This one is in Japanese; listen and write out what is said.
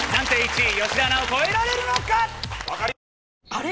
あれ？